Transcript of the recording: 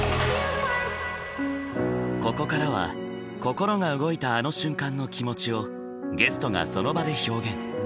ここからは心が動いたあの瞬間の気持ちをゲストがその場で表現。